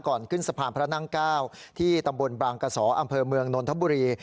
ขึ้นสะพานพระนั่ง๙ที่ตำบลบางกระสออำเภอเมืองนนทบุรี